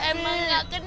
emang gak kena